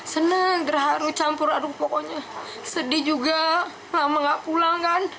senang gerah haru campur haru pokoknya sedih juga lama gak pulang kan